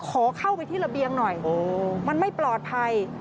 ขอเข้าไปที่ระเบียงหน่อยมันไม่ปลอดภัย